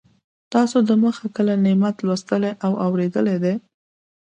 تاسو د مخه کله نعت لوستلی یا اورېدلی دی.